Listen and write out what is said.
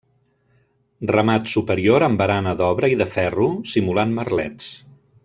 Remat superior amb barana d'obra i de ferro, simulant merlets.